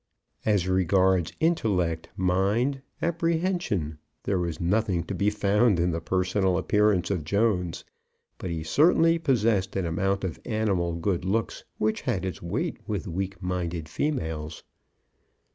As regards intellect, mind, apprehension, there was nothing to be found in the personal appearance of Jones, but he certainly possessed an amount of animal good looks which had its weight with weak minded females.